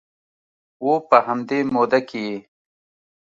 و په همدې موده کې یې